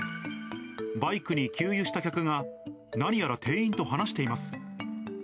バイクに給油した客が、何やら店員と話しています。